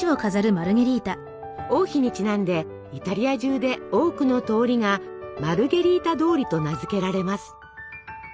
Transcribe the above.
王妃にちなんでイタリア中で多くの通りが「マルゲリータ通り」と名付けられます。